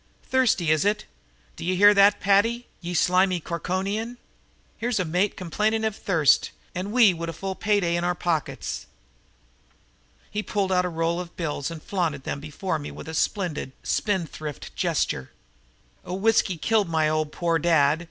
"Thirsty, is ut? D'ye hear that, Paddy, ye slimy Corkonian? Here's a mate complainin' av thirst and we wid a full pay day in our pockets." He pulled out a roll of bills and flaunted them before me with a splendid, spendthrift gesture. "Oh, whiskey killed my poor old dad!